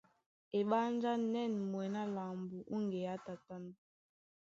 Eɓánjá na ɛ̂n mwɛ̌n á lambo ó ŋgeá tatân.